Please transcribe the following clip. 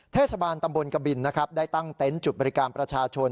เทศบาลตำบลกบินนะครับได้ตั้งเต็นต์จุดบริการประชาชน